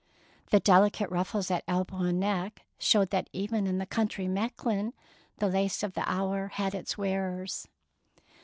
The delicate ruffles at elbow and neck showed that even in the country Mechlin, the lace of the hour, had its wearers.